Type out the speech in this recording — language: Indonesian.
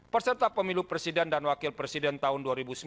peserta pemilu presiden dan wakil presiden tahun dua ribu sembilan belas